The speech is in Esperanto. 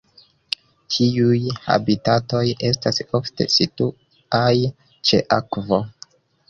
Tiuj habitatoj estas ofte situaj ĉe akvo.